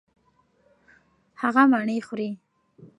هغه مڼې خوري.